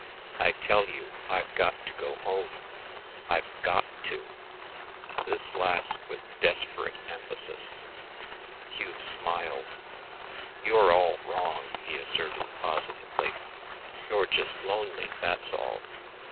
I tell you I've got to go home. I've got to!" This last with desperate emphasis. Hugh smiled. "You're all wrong," he asserted positively. "You're just lonely; that's all.